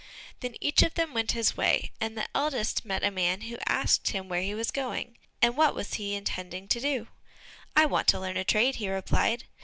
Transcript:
Then each of them went his way, and the eldest met a man who asked him where he was going, and what he was intending to do? "I want to learn a trade," he replied.